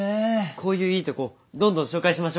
こういういいとこどんどん紹介しましょ。